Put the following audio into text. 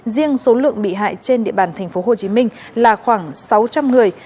riêng số lượng bị hại trên địa bàn tp hcm là khoảng sáu trăm linh người